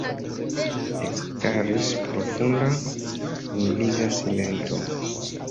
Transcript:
Ekstaris profunda, humiliga silento.